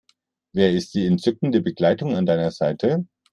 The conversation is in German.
Wer ist die entzückende Begleitung an deiner Seite?